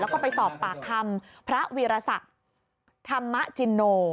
แล้วก็ไปสอบปากคำพระวีรศักดิ์ธรรมจินโน